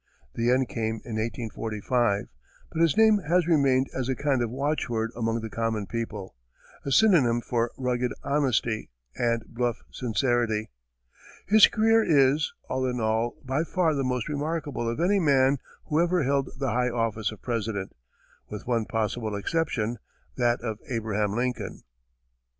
The end came in 1845, but his name has remained as a kind of watchword among the common people a synonym for rugged honesty, and bluff sincerity. His career is, all in all, by far the most remarkable of any man who ever held the high office of President with one possible exception, that of Abraham Lincoln.